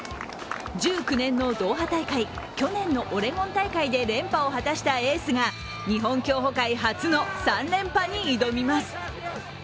１９年のドーハ大会、去年のオレゴン大会で連覇を果たしたエースが日本競歩界初の３連覇に挑みます。